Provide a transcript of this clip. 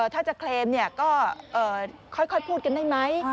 ถ้าจะเคลมก็ค่อยพูดกันได้ไหม